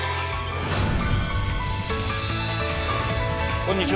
こんにちは。